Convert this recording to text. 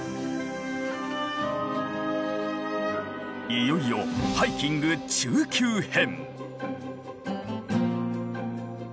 いよいよハイキング中級編。